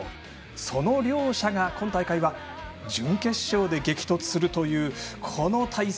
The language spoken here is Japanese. その両者が今大会は準決勝で激突するというこの対戦。